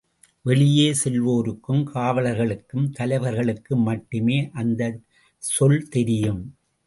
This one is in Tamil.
வெளியே செல்வோருக்கும் காவலர்களுக்கும், தலைவர்களுக்கும் மட்டுமே அந்தச் சொல் தெரியும்.